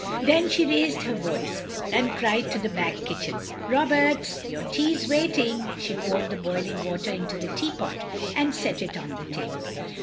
Then she raised her voice and cried to the back kitchen, "Roberts, yotar tea 's waiting." She poured the boiling water into the teapot and set it on the table.